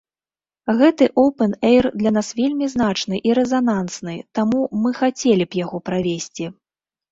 Гэты оўпэн-эйр для нас вельмі значны і рэзанансны, таму мы хацелі б яго правесці.